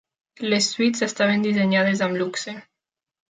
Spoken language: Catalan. Les suites estaven dissenyades amb luxe.